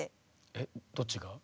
えっどっちが？